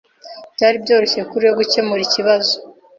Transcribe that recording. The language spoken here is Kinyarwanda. Byari byoroshye kuri we gukemura ikibazo.